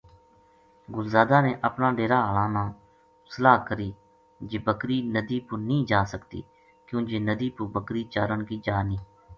گل زادا نے اپنا ڈیرا ہالاں نال صلاح کری جے بکری ندی پو نیہہ جا سکتی کیوں جے ندی پو بکری چارن کی جا نیہہ